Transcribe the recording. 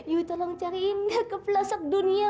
you tolong cariin ke pelasak dunia